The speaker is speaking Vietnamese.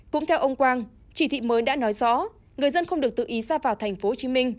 cũng theo ông quang chỉ thị mới đã nói rõ người dân không được tự ý ra vào tp hcm